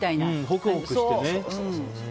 ホクホクしてね。